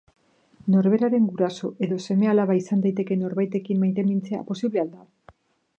Norberaren guraso edo seme alaba izan daitekeen norbaitekin maitemintzea posible al da?